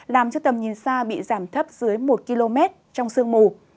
làm cho tầm nhìn xa bị giảm thấp dưới một km trong sương mù